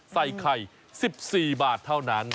ใส่ไข่๑๔บาทเท่านั้น